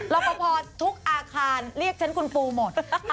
เราก็พอทุกอาคารเรียกฉันคุณพูหมด